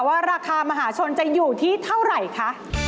ว่าราคามหาชนจะอยู่ที่เท่าไหร่คะ